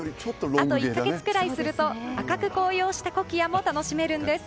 あと１か月ぐらいすると赤く紅葉したコキアも楽しめるんです。